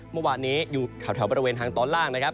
เมื่อวานนี้อยู่แถวบริเวณทางตอนล่างนะครับ